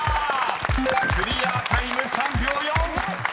［クリアタイム３秒４！］